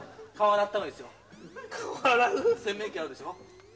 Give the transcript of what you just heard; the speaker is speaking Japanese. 洗面器あるでしょ。